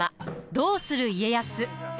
「どうする家康」。